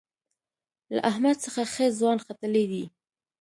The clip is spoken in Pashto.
له احمد څخه ښه ځوان ختلی دی.